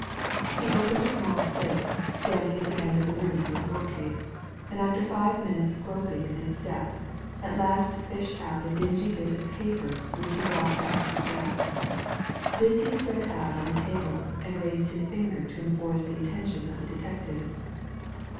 He opened a small safe standing at the end of the room near the bookcase, and after five minutes' groping in its depths, at length fished out a dingy bit of paper, which he brought back to Gebb. This he spread out on the table, and raised his finger to enforce the attention of the detective.